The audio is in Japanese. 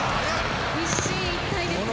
一進一退ですね。